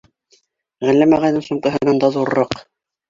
Ғәлләм ағайҙың сумкаһынан да ҙурыраҡ.